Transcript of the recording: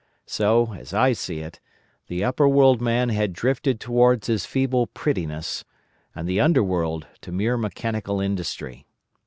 "So, as I see it, the Upperworld man had drifted towards his feeble prettiness, and the Underworld to mere mechanical industry.